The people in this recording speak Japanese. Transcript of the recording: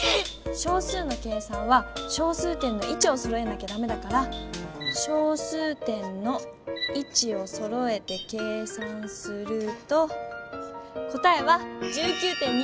小数の計算は小数点のいちをそろえなきゃダメだから小数点のいちをそろえて計算すると答えは１９．２ｋｇだわ。